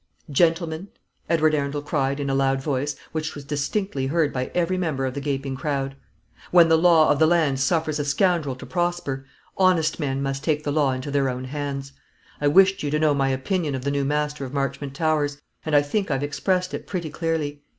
"Gentlemen!" Edward Arundel cried, in a loud voice, which was distinctly heard by every member of the gaping crowd, "when the law of the land suffers a scoundrel to prosper, honest men must take the law into their own hands. I wished you to know my opinion of the new master of Marchmont Towers; and I think I've expressed it pretty clearly.